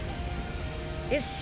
よし。